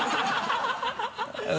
ハハハ